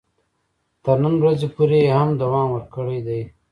تر نن ورځې پورې یې هم دوام ورکړی دی.